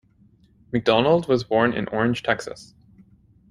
McDonald was born in Orange, Texas.